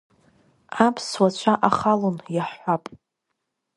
Аԥсуа цәа ахалон, иаҳҳәап…